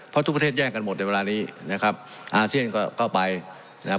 เพราะทุกประเทศแย่งกันหมดในเวลานี้นะครับอาเซียนก็เข้าไปนะครับ